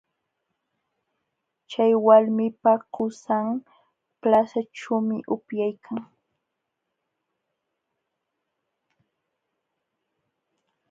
Chay walmipa qusan plazaćhuumi upyaykan.